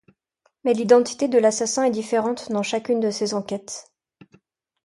Mais l'identité de l'assassin est différente dans chacune de ses enquêtes.